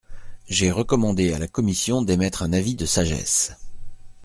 J’ai recommandé à la commission d’émettre un avis de sagesse.